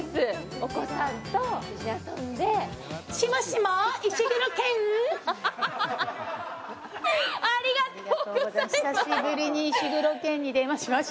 お子さんと一緒に遊んでありがとうございます！